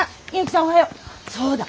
そうだ。